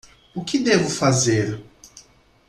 O que devo fazer?